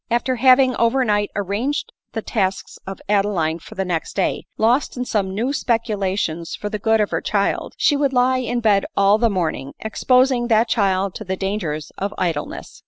After having over night arranged the tasks of Adeline for the next day — lost in some new specu lations for the good of her child, she would lie in bed all the morning, exposing that child to the dangers of idle ness.